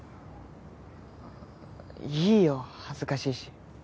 いいよ恥ずかしいし。